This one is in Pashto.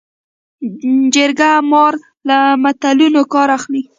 جرګه مار له متلونو کار اخلي